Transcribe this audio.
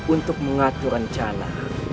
untuk mengatur rencana